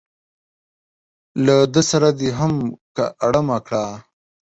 له ده سره دې هم که اړمه کړه.